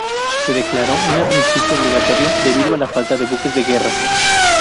Se declaró un armisticio obligatorio debido a la falta de buques de guerra.